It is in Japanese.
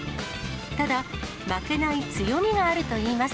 ただ、負けない強みがあるといいます。